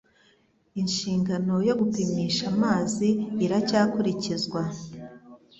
Inshingano yo gupimisha amazi iracyakurikizwa